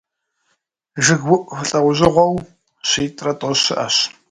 ЖыгыуIу лIэужьыгъуэу щитIрэ тIощI щыIэщ.